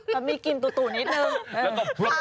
และมีกลิ่นตุ๊นิดนึง